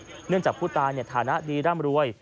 เนื่องจากผู้ตายฐานะดีร่ำรวย